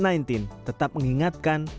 covid sembilan belas tetap mengingatkan